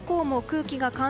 空気がね。